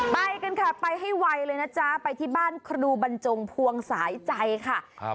ไปกันค่ะไปให้ไวเลยนะจ๊ะไปที่บ้านครูบรรจงพวงสายใจค่ะ